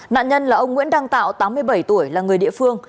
nạn nhân là ông nguyễn đăng tạo tám mươi bảy tuổi là người địa phương